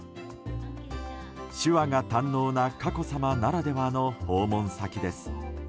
手話が堪能な佳子さまならではの訪問先です。